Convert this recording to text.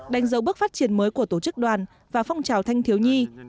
đánh dấu bước phát triển mới của tổ chức đoàn và phong trào thanh thiếu nhi